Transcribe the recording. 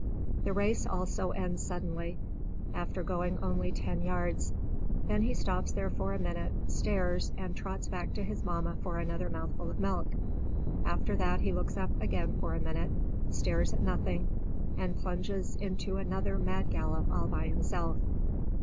The race also ends suddenly after going only ten yards. Then he stops there for a minute, stares, and trots back to his Mamma for another mouthful of milk. After that he looks up again for a minute, stares at nothing, and plunges into another mad gallop all by himself.